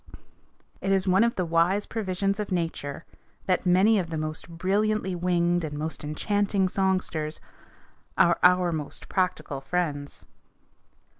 It is one of the wise provisions of nature that many of the most brilliantly winged and most enchanting songsters are our most practical friends.